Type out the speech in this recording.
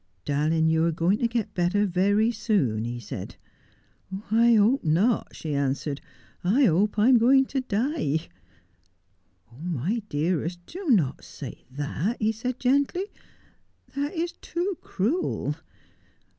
" Darling, you are going to get better very soon," he said. " I hope not," she answered. "I hope I am going to die." "Oh, my dearest, do not say that," he said gently. ''That is too cruel."